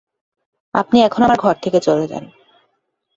আপনি এখন আমার ঘর থেকে চলে যান।